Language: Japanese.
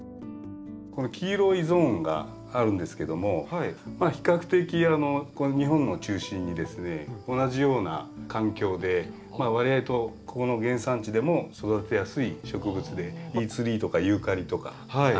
この黄色いゾーンがあるんですけども比較的この日本を中心にですね同じような環境でわりあいとここの原産地でも育てやすい植物でティーツリーとかユーカリとか。